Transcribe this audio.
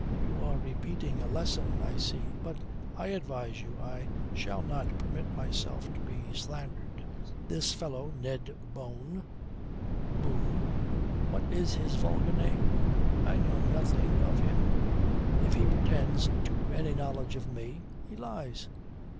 "You are repeating a lesson, I see. But I advise you, I shall not permit myself to be slandered. This fellow Ned Bone Boon what is his vulgar name? I know nothing of him. If he pretends to any knowledge of me, he lies."